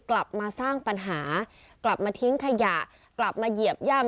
กลับมาสร้างปัญหากลับมาทิ้งขยะกลับมาเหยียบย่ำ